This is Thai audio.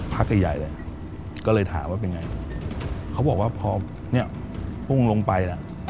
พักใหญ่ใหญ่เลยก็เลยถามว่าเป็นไงเขาบอกว่าพอเนี่ยพุ่งลงไปน่ะ